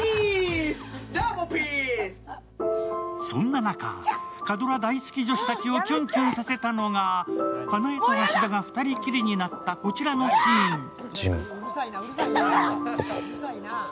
そんな中、火ドラ大好き女子たちをキュンキュンさせたのが花枝と芦田が二人きりになったこちらのシーン。